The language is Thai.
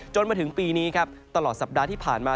มาถึงปีนี้ครับตลอดสัปดาห์ที่ผ่านมา